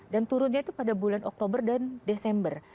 dan turunnya itu pada bulan oktober dan desember